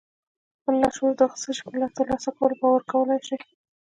خپل لاشعور د هغه څه په ترلاسه کولو باوري کولای شئ.